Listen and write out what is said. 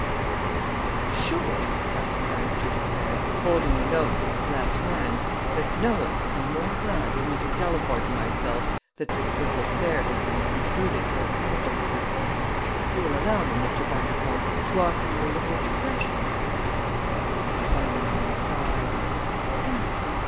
"I am sure," Captain Bannister declared, holding the notes in his left hand, "that no one can be more glad than Mrs. Delaporte and myself that this little affair has been concluded so amicably. If you will allow me, Mr. Bundercombe, to offer you a little refreshment " Mr. Bundercombe sighed.